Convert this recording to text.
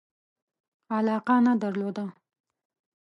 علاقه نه درلوده.